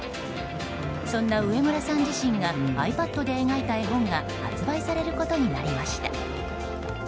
そんな上村さん自身がｉＰａｄで描いた絵本が発売されることになりました。